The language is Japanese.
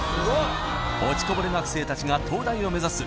落ちこぼれ学生たちが東大を目指す